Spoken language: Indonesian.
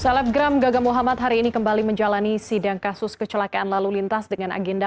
selebgram gaga muhammad hari ini kembali menjalani sidang kasus kecelakaan lalu lintas dengan agenda